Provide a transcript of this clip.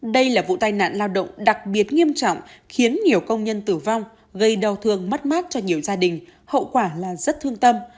đây là vụ tai nạn lao động đặc biệt nghiêm trọng khiến nhiều công nhân tử vong gây đau thương mất mát cho nhiều gia đình hậu quả là rất thương tâm